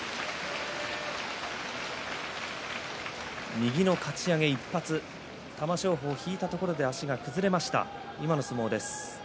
右のかち上げ１発玉正鳳、引いたところで足が崩れました。